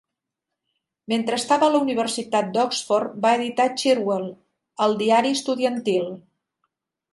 Mentre estava a la Universitat d'Oxford, va editar "Cherwell", el diari estudiantil.